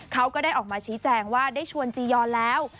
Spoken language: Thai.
ก็ได้ออกมาชี้แจงว่าได้ชวนจียอนแล้ว